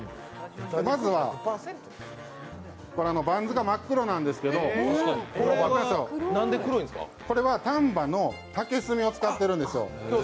まずはバンズが真っ黒なんですけど、これは丹波の竹炭を使っているんですよ。